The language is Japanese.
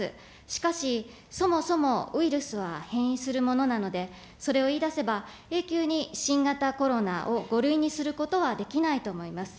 しかし、そもそもウイルスは変異するものなので、それを言い出せば永久に新型コロナを５類にすることはできないと思います。